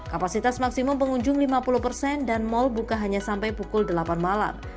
kapasitas maksimum pengunjung lima puluh persen dan mal buka hanya sampai pukul delapan malam